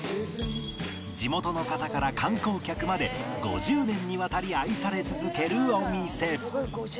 地元の方から観光客まで５０年にわたり愛され続けるお店